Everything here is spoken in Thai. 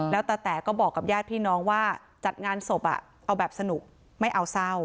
แล้วตาแต๋ก็บอกกับญาติพี่น้องว่าจัดงานศพเอาแบบสนุกไม่เอาเศร้า